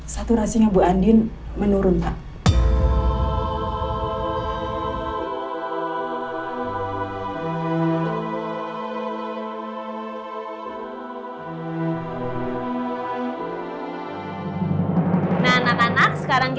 saturasinya bu andin menurun pak